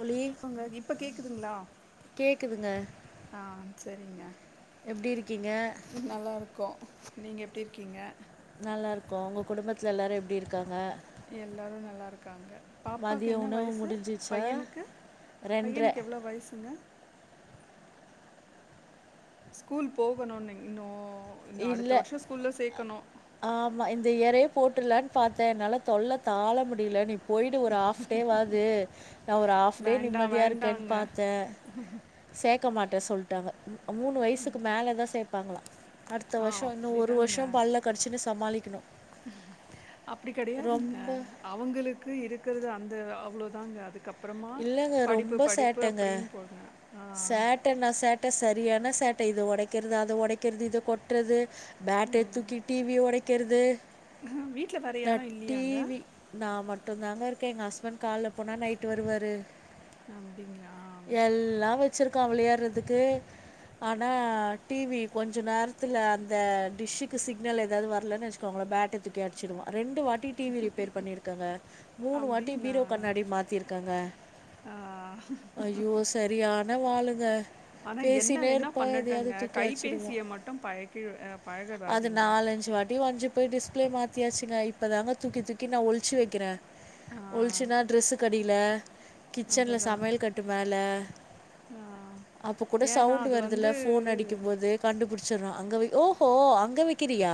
ஒளி உங்க இப்ப கேக்குதுங்களா கேட்குதுங்க ஆஹ் செரிங்க எப்டி இருக்கீங்க நீங்கள் எப்டி இருக்கீங்க நல்லாருக்கோ உங்க குடும்பத்துல எல்லாரு எப்டி இருக்காங்க எல்லாரு நல்லாருக்காங்க பாப்பாக்கு மதிய என்ன உணவு வயசு முடிஞ்சிச்சா பையனுக்கு ரெண்டரை பையனுக்கு எவ்ளோ வயசுங்க ஸ்கூல் போகணுன்னு இன்னு இன்னு அடுத்த இல்லை வருஷோ ஸ்கூல்ல சேர்க்கணு த்த எறய போட்டர்லான்னு பாத்தே என்னால தொல்ல தாள முடியலனு போயிடு ஒரு ஆஃப் டேவாது நா ஒரு ஆஃப் டே வேண்டா நிம்மதியா இருக்கேன்னு வேண்டாங்க பாத்தே சே ர்க்க மாட்ட சொல்ட்டாங்க மூணு வயசுக்கு மேலதா சேப் பாங்லா அடுத்த ஆ வருசோ இன்னு ஒரு அப்டிதாங்க வருசோ பல்ல கடிச்சீன்னு சமாளிக்கணு அப்டி கெடயாதுங்க அவுங்களுக்கு இருக் இருக்கறது அந்த அவ்ளோ தாங்க அதுக்கப் அப்றமா இல்லைங்க படிப்பு படிப்பு அப்டின்னு போடுனே ஆ சேட்ட நா சேட்ட சரியான சேட்ட இத ஒடக்கிறது அத ஒடக்கிறது இத கொட்டுறது பேட்ட ம் தூக்கி டீவிய ஒடைக் கிறது வீட்ல வேற நா யாரு டீ இல்லையாங்க வி நாம மட்டுந்தாங்க இருக்கே எங்க ஹஸ்பண்ட் கால்ல போனா நைட்டு வருவாரு அப்டிங்களா வச்சிருக்கா வெளையாடுறதுக்கு ஆனா டிவி கொஞ்சோ நேரத்ல அந்த டிஷ்க்கு சிக்னல் ஏதாது வரலன்னு வச்கோங்கலே பேட்ட தூக்கி அடிச்சிடுவா ரெண்டு வாட்டி டி வி ரிப்பேர் பண்ணிருக்கேங்க மூணு வாட்டி அப்டிங்களா? பீரோ கண்ணாடி மாத்திருக்கேங்க ஆ ஐயோ சரியா வாளுங்க ஆனா என்ன வேணா பேசிநேருப்பா எதயாது பண்ணட்டுங்க. தூக்கி அடிச்சிடுவா கைபேசிய மட்டும் பழக்கி அ அது பழகடாதீங்க. நாலஞ்சி வாட்டி வுடஞ்சி போய் டிஷ் ப்ளே மாத்தியாச்சுங்க இப்ப தாங்க தூக்கி தூக்கி நா ஒழிச்சி வக்கிறே ஆ ஒழிச்சினா ட்ரெஸ்க்கடியில கிச்சன்ல அதுதான். சமையல் கட்டு மேல ஆ அப்ப கூட ஏன்னா சவுண்ட் அது வருதுல்ல வந்து போன் அடிக்கும்போது கண்டு புடிச்சிறா அங்க வக் ஓஹோ அங்க வக்கிறியா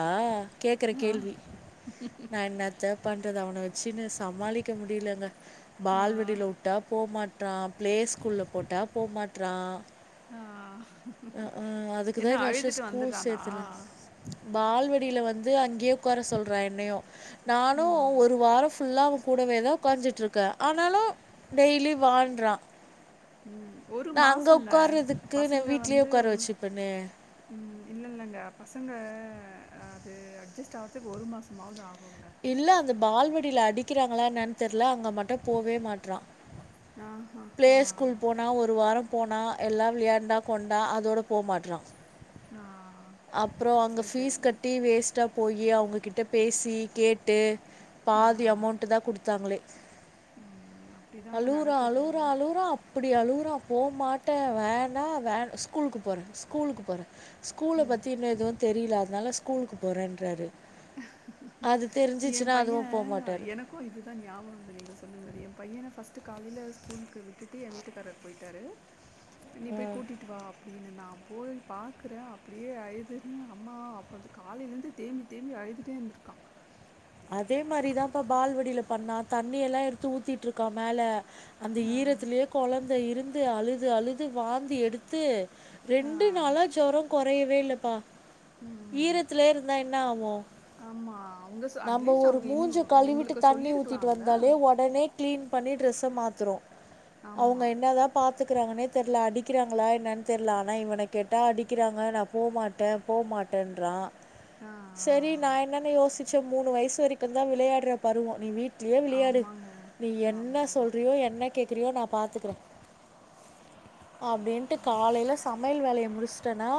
கேக்குற ஆ கேள்வி நா என்னத்த பண்றது அவன வச் சின்னு சமாளிக்க முடியலங்க ஆ பால்வாடில வுட்டா போமாட் ட்ரா பிளே ஸ்கூல்ல போட்டா போமாட்றா ஆ ஆ ஆ என்ன அதுக்குதா இந்த வருசோ அழுதுட்டு ஸ்கூல் வந்துர்றானா? சேத்துறலா பால்வாடில வந்து அங்கேயே உக்கார சொல்றா என்னயு நானு ம் ஒரு வாரோ ஃபு ல்லா அவ கூடவேதா உக்காஞ்சிட்டு இருக்கே ஆனாலு டெய்லி வாண்றா ம் ஒரு மாசோங்க நான் பசங்க வீட்லேயே வந்து உட்கார வச்சுப்பேனே ம் இல்லல்லங்க பசங்க அது அட்ஜஸ்ட் ஆவுறதுக்கு ஒரு மாசமாவது ஆகு இல்ல அந்த பால்வடில அடிக்கறா ங்கலா என்னனு தெரல அங்க மட்டு போவே மாட்றான் ஆஹா பிளே ஆ ஸ்கூல் போனா ஒரு வாரம் போனா எல்லா வெளையாண்டா கொண்டா அதோட போ மாட்றான் ஆ அப்ரோ அங்க சரி பீஸ் சரிங்க. கட்டி வேஸ்ட்டா போயி அவுங்க கிட்ட பேசி கேட்டு பாதி ஆ. அமௌண்ட் தா குடுத்தாங்களே ம். அப்படிதாங்க அலூரா நடக்குது. அலூரா அலூரா அப்டி அலுவரா போமாட்டே வேனா வேன் ஸ்கூல்க்கு போறே ஸ்கூலுக்கு போறே ஸ்கூல ம். பத் ன்னு தெரில அதனால ஸ்கூல்க்கு போறேன்றாரு என் அதுவும் பையன் போக மாட்டார் எனக்கும் இது தா ஞாபகம் வருது நீங்க சொல்ர மாரியே பையன ஃபஸ்ட்டு காலைல ஸ்கூல்க்கு விட்டுட்டு என் வீட்டுக்காரர் போயிட்டாரு நீ போய் கூட்டிட்டு வா அப்டின்னு நா போய் பாக்கற அப்டியே அயுதுன்னு அம்மா அப்ப காலைலந்து தேம்பி தேம்பி அழுதுட்டே இந்துருக்கான் அதே மாரி தா பா பால்வடில பண்ணா தண்ணி எல்லா எடுத்து ஊத்திட்டுருக்கான் மேல அந்த ஆ, ஈரத்தலயே கொழந் இருந்து அழுது அழுது வாந்தி எடுத்து ஆ. ரெண்டு நாளா ஜொரம் கொ கொறையவே இல்ல பா ம். ஈரத்தலே இருந்தா என்ன ஆவு ஆமா. அவங்க சொ நம்ம அட்லீஸ்ட் ஒரு அவங்க இன் மூஞ்ச கழுவிட்டு உங்களுக்கு தண்ணி ஊத்திட்டு சொல்லியிருக்கலாம்ல. வந்தாலே உடனே கிளீன் பண்ணி டிரெஸ்ஸ மாத்றோ அவங்க ஆமா. என்ன தா பா கத்துக்கறாங்கனே தெரில அடிக்கிறாங்களா என்னன்னு தெரில ஆனா இவன கேட்டா அடிக்கறாங்க நா போ மாட்டே போ மாட்டேன்றான் ஆ, செரி ஆ. நா என்னன்னு யோசிச் மூணு வயசு வரைக்கு தா விளையாடுற பருவம் நீ வீட் ள்ளயே வெளையாடு ஆமாங்க. நீ என்ன ஆமாமா. சொல்றியோ என்ன கேக்குறியோ நா பாத்துக்றே அப்டின்ட்டு அது. காலைல ச சமையல் வேலையை முடிச்சட்டேனா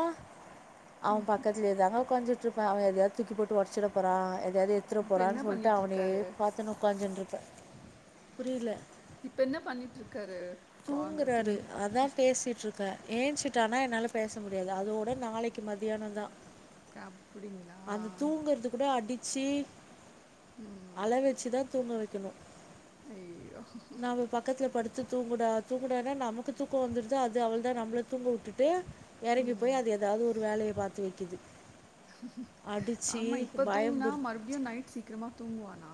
அவங்க பக்கத்துலய தாங்க உக்காந்து [unintelligible] அவன் எதாவது தூக்கி போட்டு ஒடச்சிட போறான் எதாவது எத்துற இப்ப என்ன போறான்னு சொல்லிட்டு பண்ணிட்டு அவனை இருக்காரு பாத்துனு உக்காந்துன்ட்ரு புரில இப்ப என்ன பண்ணிட்டு இருக்காரு குழந்த தூங்குறாரு தூங்கு அதான் பேசிட்டு இருக்கேன் ஆ ஏஞ்சுட்டானா என்னால பேச முடிய அதோட நாளைக்கு மத்தியானம் தான் அப்படிங்களா அந்த தூங்குறது கூட அடி செர் அலை ம் வெச்சுதான் தூங்க வெ ஐயோ [unintelligible] ந அவு பக்கத்துல படுத்து [unintelligible] தூங்கடா தூங்கடன்னா நமக்கு தூக்கம் வந்துடுது அது அவள தான் நம்மள தூங்க விட்டுட்டு எறங்கி ம் போய் அது ஏதாவது ஒரு வேலைய பாத்து வெக்கிது ஆமா இப்ப தூங்குனா பயம்புறு மறுபடியும் நைட் சீக்கிரமா தூங்குவானா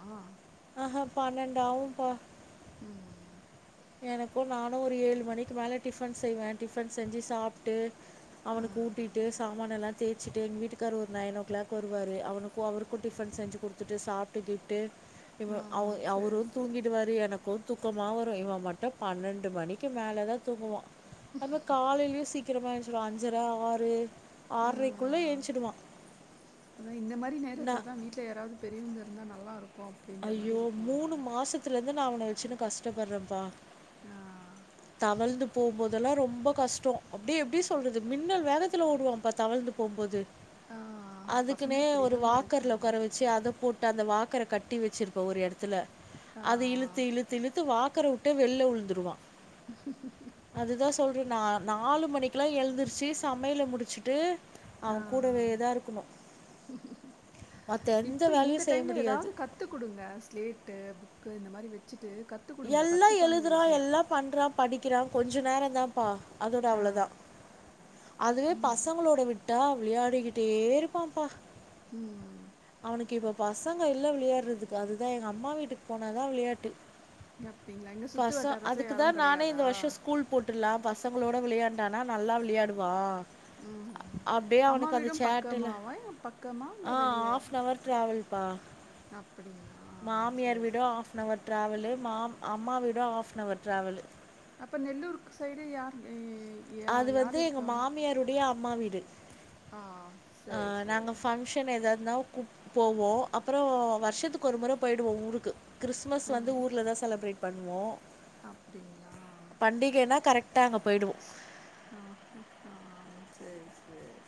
ஆஹா பண்ணடாாவப்ப உஹம் எனக்கும் நானும் ஒரு ஏழு மணிக்கு மேலே டிஃபன் செய்வேன் டிஃபன் செஞ்சு சாப்பிட்டு ஆ அவனு ஊட்டிட்டு சாமானான் எல்லாம் தேய்ச்சிட்டு எங்க வீட்டுக்கார் ஒரு நைன் ஓ கிளாக் வருவார் அவனுக்கும் அவருக்கும் டிஃபன் செஞ்சு கொடுத்துட்டு சாப்பிட்டுக்கிட்டு இ ஆ அவ சரி அவரும் சரி தூங்கிடுவாரு எனக்கும் துக்கமாக வரும் இவ மட்டும் பன்னெண்டு மணிக்கு மேலே தா தூக்குவம் அப்ப காலையிலயும் சி க்கிரமா ஏந்திசிடுவ ஆன்சரா ஆரு அஹ் அதா இந்த மாதிரி நான் நேரத்துலதா வீட்டுல யாராவது பெரியவங்க இருந்தா நல்ல ஐயோ மூணு மாசத்துல வந்து நான் அவன வச்சுன்னு கஷ்டப்படுறேன்ப்பா ஆஹ் தவிழ்ந்து போகு போதெல்லாம் ரொம்ப கஷ்டம் அப்படியே எப்படி சொல்றது மின்னல் வேற ல ஒடுவம் பா தவிழ்து போம்போது ஆ பசங்க அதுக்குன்னே ஒரு அப்படிதாங்க வாக்கர்ல இருக்காங்க உக்கார வச்சு அத போட்டு அந்த வாக்கர கட்டி வெச்ருப்பே ஒரு எடத்துல ஆ அது இழுத்து இழுத்து இழுத்து வா வாக்கறவுட்டே வெள்ல உல்ந்துருவா சொல்றே நா நாலு மணிக்கெல்லா எழுந்துருச்சி சமையல முடிச்சிட்டு ஆஹ் ஆஹ் மத்த எந்த இப்ப இந்த வேலையும் செய்ய டைம்ல ஏதாது முடியாது. கத்துக்குடுங்க ஸ்லேட்டு புக் இப்ப இந்த மாரி வெச்சி எல்லா எழுதுறா எல்லா பண்றா படிக்கிறா கொஞ்ஜ நேரதாப்பா அதோட ஆ. அவ்ளோதா அதுவே ம். பசங்களோட விட்டா விளையாடிகிட்டே இருப்பாப்பா ம். அவுனுக் இப்போப் பசங்க இல்ல விளையாட்றதுக்கு அதுதா எங்க அம்மா வீட்டுக்கு போனாதா விளையாட்டு அப்டிங்களா? எங்க சுத்து பசோ வட்டாரத்துல அதுக்குதா யாரும் நானே கெடையாதா? இந்த வருஷோ ஸ்கூல் போட்டுர்லா பஷ் பசங்களோட விளையாண்டானா நல்லா விளையாடுவா ம். ம். அப்டியே அம்மா அவனுக்கு அந்த வீடும் சேட்டுல பக்கமாவா? பக்கமா இல்ல ஆஹ் வெளிய? ஆஃப் நவர் ட்ராவெல்பா அப்டிங்களா? மாமியார் சரி, வீடு சரி. ஆஃப் நவர் ட்ராவெலு மா அம்மா வீடு ஹாஃப் நவர் ட்ராவெலு அப்ப நெல்லூருக்கு சைடு யாருங்க அது வந்து எங்க மாமியாருடைய அம்மா வீட் டு ஆ ஆ சரி, நாங்க சரி. பங்க்ஷன் எதாருந்தா போவோ அப்றோ வருஷத்துக்கு ஒரு முற பொயிடுவோ ஊருக்கு கிறிஸ்மஸ் வந்து ஊர்ல தா செலபரேட் பண்ணுவோ அப்டிங்ளா டா அங்க பொயிடுவோ ஆ ஹ ஆ செரி சேரி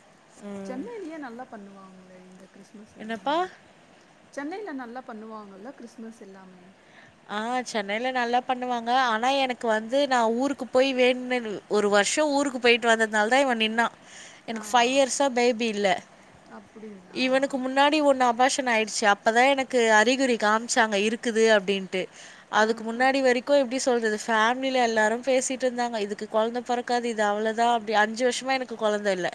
ம். சென்னைலயே நல்லா பண்ணுவாங் கிறிஸ்மஸ் என்னப்பா? எல்லாமே சென்னைல நல்லா பண்ணுவாங்கெல்ல கிறிஸ்மஸ் எல்லாமே ஆ சென்னைல நல்லா பண்ணுவாங்க ஆனா எனக்கு வந்து நா ஊருக்கு போய் வேண்ட்னது ஒரு வருஷோ ஊருக்கு போயிட்டு வந்ததுனால தா இவே நின்னா ஆ எனக்கு பைவ் இயர்ஸா பேபி இல்ல அப்படிங்களா இவனுக்கு முன்னாடி ஒன்னு அபாஷன் ஆயிடுச்சு அப்தா எனக்கு அறிகுறி காம் சோ அங்க இருக்குது அப்டின் அதுக்கு ஆஹா முன்னாடி வரைக்கும் எப்படி சொல்றது ஃபேமிலியில எல்லாரும் பேசிகிட்டு இருந்தாங்க இதுக்கு குழந்த பிறக்காது இது அவ்ளோ தான் அப்படி அஞ்சு வருஷமா எனக்கு குழந்த இல்ல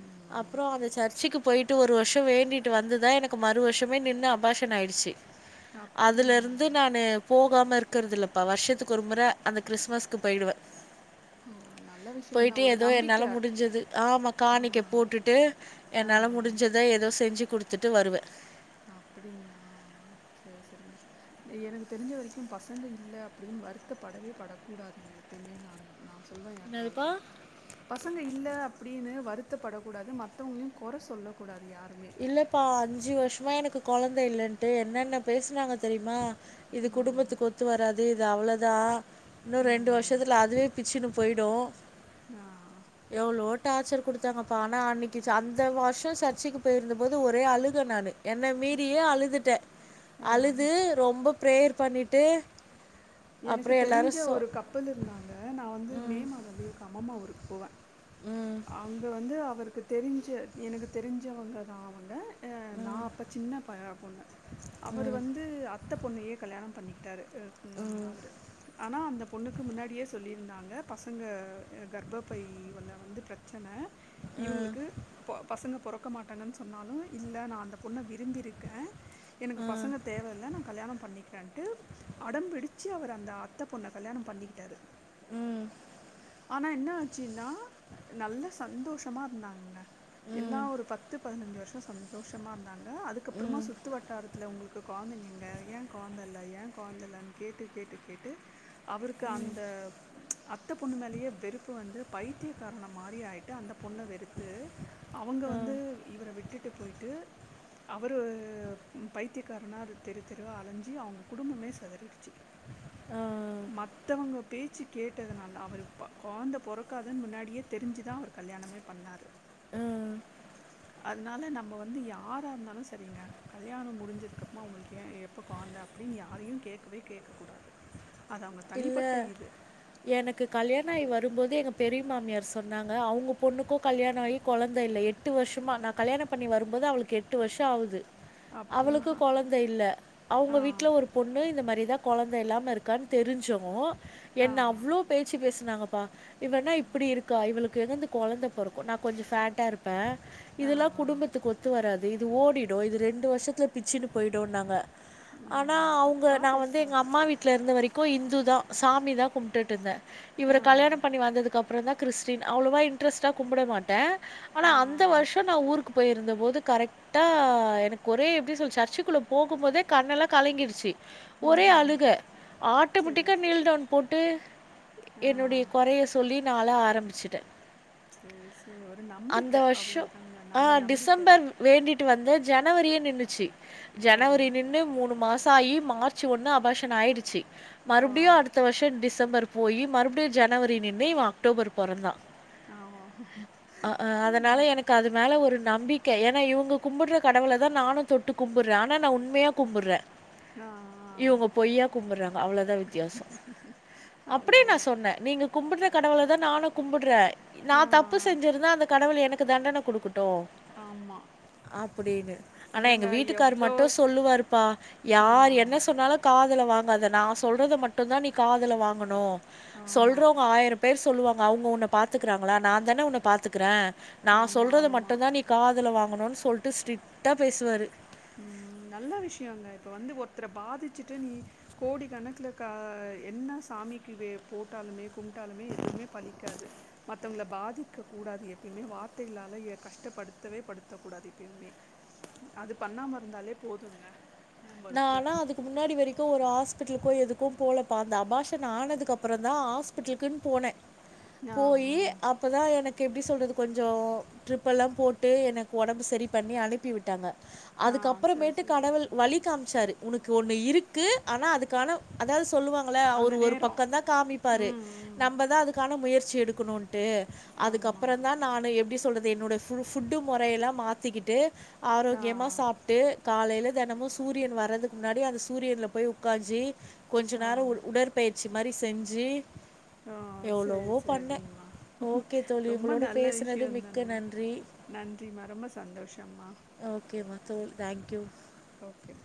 ம் அப்புறம் அந்த சர்ச்சிக்கு போயிட்டு ஒரு வருஷோ வேண்டிட்டு வந்துதா எனக்கு மறு வருஷமே நின்னு அபாஷன் ஆயிடுச்சு. அப்டிங்களா னு போகாம இருக்குறது இல்லப்பா வருஷத்துக்கு ஒரு முற அந்த கிறிஸ்மஸ்க்கு போயிடுவே ஓ நல்ல விஷயந்தா போயிட்டு ஒரு ஏதோ நம்பிக்க என்னால முடிஞ்சது ஆமா ஆ காணிக்க போட்டுட்டு ஆ என்னால முடிஞ்சத ஏதோ செஞ்சு குடுத்துட்டு வருவே அப்படிங்களா செரி செரிங்க எனக்கு தெரிஞ்ச வரைக்கு பசங்க இல்ல அப்படின் வருத்தப்படவே படக் கூடாதுங்க எப்பயுமே நானு நா சொல்லவே என்னதுப்பா? யாருக்காவது பசங்க இல்ல அப்டின்னு வ வருத்தப்படக்கூடாது மந்தவங்களையு குற சொல்லக்கூடாது யாருமே இல்லப்பா அஞ்சு வருஷமா எனக்கு கொழந்த இல்லன்ட்டு என்னென்ன பேசுனாங்க தெரியுமா? இது ம் குடும்பத்துக்கு ஒத்து வராது இது அவ்ளோ தா இன்னு ரெண்டு ம் வர்ஷத்துல அதுவே பிச்சுனு போயிடு ஆஹ் எவ்வளோ டார்ச்சர் குடுத்தாங்கப்ப ஆனா அன்னைக்கு சந்தவர்ஷோ சர்ச்சிக்கி போயிருந்தபோது ஒரே அழுக நானு என்ன மீறியே அழுதுட்டே ஆ ஆ அழுது ரொம்ப பிரேயர் பண்ணிட்டு எனக்கு அப்புறம் தெரிஞ்ச எல்லாரும் சொ ஒரு கப்பிள் இருந்தாங்க நா வந்து ம், மே மாத லீவுக்கு அம்மம்மா ஊருக் போவ ம், அங்க வந்து அப் அவருக்கு தெரிஞ்ச எனக்கு தெரிஞ்சவங்க தா அவங்க நா அப்ப சின்ன ப பொண்ணு அவர் வந்து அத் அத்த பொண்ணையே கல்யாணோ பண்ணிக்கி ன்டாரு ஆ இம்மே ம், அவரு ஆனா அந்த பொண்ணுக்கு முன்னாடியே சொல்லிருந்தாங்க பசங்க அ கர்ப்பப்பை உள்ள வந்து பிரச்சன ம், ம், இவங்களுக்கு ப பசங்க போற பாக்க மாட்டாங்கன்னு சொன்னாலு இல்ல நா அந்த பொண்ண விரும்பியிருக்கே எனக்கு ம், பசங்க தேவயில்ல நா கல்யாணம் பண்ணிக்கிறன்டு அடம்பிடிச்ச ச்சு அவரு அந்த அத்த பொண்ண கல்யாணம் பண்ணிக்கிட்டாரு ம் ஆனா என்ன ஆச்சுன்னா நல்ல சந்தோஷமா இருந்தாங்க எல்லா ம், ஒரு பத்து பதினஞ்சு வருஷோ சந்தோஷமா இரு ந்தாங்க அதுக்கப்புறமா சுத்து வட்டாரத்துல உங்களுக்கு கொழந்தைங்க எங்க ஏன் கொழந்த இல்ல ஏன் கொழந்த இல்ல கேட்டு கேட்டு கேட்டு அவருக்கு அந்த அத்த பொண்ணு மேலையே வெறுப்பு வந்து பைத்தியக்காரன மாரி ஆயிட்டு அந்த பொண்ண வெறுத்து அவங்க வந்து ம், இவர விட்டு விட்டுட்டு போயிட்டு அவரு பைத்தியக்காரனா தெரு தெருவ அலஞ்சி அவங்க குடும்பமே செதறிடு ட்சி ம், மத்தவங்க பேச்சு கேட்டதுனால அவரு இப்ப கொழந்த பொறக்காதுன்னு முன்னாடியே தெரிஞ்சுதா அவரு கல்யாணமே பண்ணாரு உம் அதனால நம்ம வந்து யாரா இருந்தாலு செரிங்க கல்யாணம் முடிஞ்சதுக்க அப்றமா அவங்களுக்கு ஏன் எப்போ கொழந்த அப்டின்னு யாரையு கேட்கவே கேக்க கூடாது இல்ல எனக்கு கல்யாணம் ஆகி வருபோது எங்க பெரி மாமியார் சொன்னாங்க அவுங்க பொண்ணுக்கு கல்யாணம் ஆகி கொழந்த இல்லையே எட்டு வருஷமா நா கல்யாணம் பண்ணி வரும்போது அவளுக்கு எட்டு வருஷோ ஆவுது அவளுக்கு அப்புறம் கொழந்த இல்ல அவங்க ஆ, வீட்ல ஒரு பொண்ணு இந்த மாரிதா கொழந்த எல்லாம இருக்கா தெரிஞ்சவு ஆ, ஆ, என்ன அவ்ளோ பேச்சு பேஸ் திட்னாங்கபா இவ என்ன இப்டி இருக்கா இவளுக்கு [unintelligible] கொழந்த பொறக்கு நா கொஞ்சோ ஃப்ட்டா இருப்ப ஆ, இதெல்லா குடும்பத்துக்கு ஒத்து வராது இது ஓடிடு இது ரெண்டு வருஷத்துல பிச்சின்டு போயிடு நாங்க ஆ, ஆனா அவங்க தப்பா நா வந்து எங்க பேசுறாங்க. அம்மா வீட்ல இருந்து வரைக்கு இந்து தா சாமி தா கும்ட்டுட்டு இருந்த இவர ஆ, ஆ. கல்யாணம் பண்ணி வந்ததுக்கு அப்பறோ தா கிறிஸ்டின் அவ்ளோவா இன்ரெஸ்ட கும்பிட மாட்ட ஆனா ஆ, அந்த ஆ, வருஷோ நா சரி. ஊருக்கு போயிருந்த போது கரெக்டா எனக்கு ஒரே எப்படி சொல் சர்ச்சுக்குள்ள போகுபோதே கண்ணெல்லா கலங்கிடுச்சு உஹம் உஹம் சேரி சே ஆட்டோமெட்டிக்காக நீல்டவுன் போட்டு ஆ என்னுடைய குறைய சொல்லி நாள ஆரம்பிச்சுட்டேன் சேரி சேரி ஒரு அந்த நம்பிக்கை வருஷம் அவ்வளவுதாங்க. ஆ நம்ம நம்பிக்கை டிசம்பர் தான். வேண்டிட்டு வந்தேன். ஜனவரியே நின்னுச்சி ஜனவரி நின்னு மூணு மாசம் சாயி மார்ச் ஒன்று அபாஷன் ஆயிடுச்சு. ஓ மறுபடியும் அடுத்த வருஷம் டிசம்பரு போய் மறுபடியும் ஜனவரி நின்னு இவன் அக்டோபர் பொறந்தான் ஆ ஓ அஹ்ஹ் அதனால எனக்கு அது மேல ஒரு நம்பிக் க ஏன்னா இவ கும்பிடற கடவளை தான் நானும் தொட்டு கும்புறே. ஆனால் நான் உண்மையாக கும்புறேன். ஆ ஆ இவங்க பொய்யா கும்புறாங் அவ்வளவுதான் வித்தியாசம் அப்படியே அவ்ளோதா நான் சொன்னேன் நீங்க கும்புட் ந்த கடவுளதா நானும் கும்புட்றே. நா ஆ தப்பு செஞ்சிருந்தா அந்த கடவுள் எனக்கு க்கு தண்டனை குடுக்குட் டு ஆமா அப்டின்னு ஆனா இல்லங்க எங்க வீட்டுக்கார் எவ்ளோ மட்டும் சொல்லுவாருப்பா ஆ யார் என்ன சொன்னாலும காதுல வாங் காத நா சொல்றது மட்டும் தா நீ காதுல வாங்கணும். ஆமா சொல்றவங்க ஆயிரம் பேர் சொல்லுவாங்க அவங்க உன்ன பாத்துக்கிறாங்களா நாந்தானே உன்ன பாத்துக்கிறே நா ஆமா சொல்றது ஆமா மட்டும்தா நீ காதுல வாங்கணுனு சொ சொல்லிட்டு ஸ்டிரிக்டா பேசுவாரு ம் நல்ல விஷயங்க இப்ப வந்து ஒருத்தர பாதிச்சுட்டு நீ கோடி கணக்கல க என்ன சாமிக்கு வே போட்டாலுமே ண்டாலமே எதுவுமே பழிக்காது. மற் தவங்களை பாதிக்கக் கூடாது. எப்பயுமே வார்த்தைகளால கஷ்டப்படுத்தவே படுத்தக்கூடாது. எப்பயுமே அது பு பண்ணாம இருந்தாலே போதுங்க. நம்பளுக்கு. நானா அதுக்கு முன்னாடி வரைக்கும் ஒரு ஹாஸ்பிட் போய் எதுக்கும் போலப்பா அந்த அபாஷன் ஆனதுக்கப்புறம் தான் ஹாஸ்பிட்டலுக்குன்னு போனேன் ஆ, போயி ம். அப்பதான் எனக்கு க்கு எப்படி சொல்றது. கொஞ்சம் ட்ரிப்பெல்லாம் போட்டு எனக்கு ஒடம்பு சரி பண்ணி அனுப்பி விட்டாங்க. ஆ, சரி, அதுக்கப்புறமேட்டு சரிம்மா. கடவுள் வலி அமச்சாரு உனக்கு ஒண்ணு இருக்கு. ஆனா அதுக்கான அதாது ஸ் சொல்லுவாங்கள அவர் அந்த ஒரு நேரம். பக்கம் தான் காமிப்பாரு ம், ம். நம்மதான் அதுக்கான முயற்ச்சி வச்சி எடுக்கணும் ட்டு ஆமாமா. அதுக்கப்றம்தா நா எப்டி சொல்றது என்னோட ஃபுல் ஃபுட்டு மொறையெல்லாம் மாத்திக்கிட்டு ஆ, ஆரோக்கியமா சாப்ட்டு காலையில தெனமும் சூரியன் வர்றதுக்கு முன்னாடி அந்த சூரியன்ல போய் உட்காஞ்சி கொஞ்ச ஆ. நேரொம் உடற்பயி ச்சி மாரி செஞ்சு ஹ செரி எவ்வளவோ பண்ணேன் செரிமா ஓகே தோழி ரொம்ப உங்களோட நல்ல பேசுனது மிக்க விஷியோதானுமா நன்றி நன்றிமா ரொம்ப சந்தோஷம்மா தோ தேங்க் யூ ஓகே